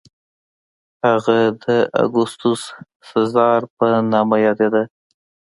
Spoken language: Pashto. هغه د اګوستوس سزار په نامه یادېده.